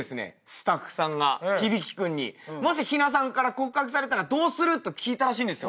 スタッフさんが響生君にもし陽奈さんから告白されたらどうする？と聞いたらしいんですよ。